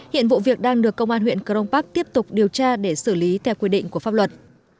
hiện vụ việc đang được công an huyện crong park tiếp tục điều tra để xử lý theo quy định của pháp luật